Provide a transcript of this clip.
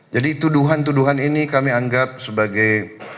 jadi tuduhan tuduhan ini kami anggap sebagai